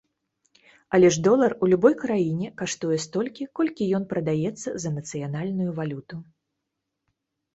Але ж долар у любой краіне каштуе столькі, колькі ён прадаецца за нацыянальную валюту.